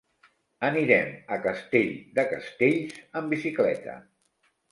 Anirem a Castell de Castells amb bicicleta.